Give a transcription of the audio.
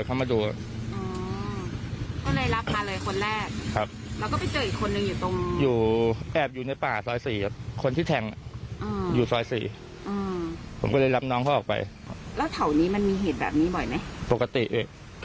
เขาตีกันบ่อยขนาดนั้นเลย